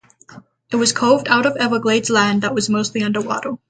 It was carved out of Everglades land that was mostly underwater.